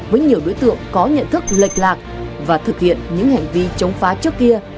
với nhiều đối tượng có nhận thức lệch lạc và thực hiện những hành vi chống phá trước kia